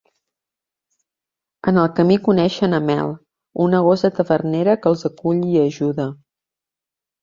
En el camí coneixen a Mel, una gosa tavernera que els acull i ajuda.